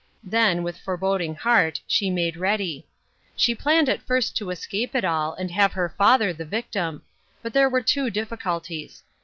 Then, with foreboding heart, she made ready. She planned at first to escape it all and have her father the victim. But there were two difficulties.